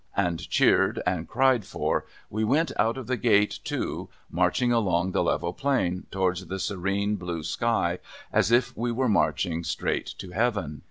' and, cheered and cried for, we went out of the gate too, marching along the level plain towards the serene blue sky, as if we were marching straight to Heaven.